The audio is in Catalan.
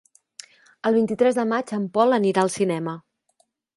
El vint-i-tres de maig en Pol anirà al cinema.